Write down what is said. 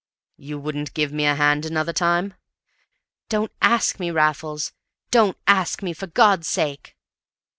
"You wouldn't give me a hand another time?" "Don't ask me, Raffles. Don't ask me, for God's sake!"